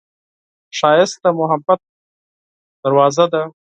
ښایست د محبت دروازه ده